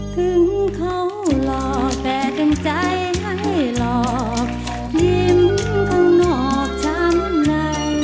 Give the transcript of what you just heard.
ถึงเขาหลอกแต่เต็มใจให้หลอกยิ้มข้างนอกช้ำใน